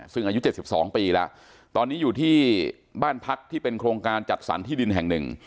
ซึ่งอายุ๗๒ปีแล้วตอนนี้อยู่ที่บ้านพักที่เป็นโครงการจัดสรรที่ดินแห่งหนึ่ง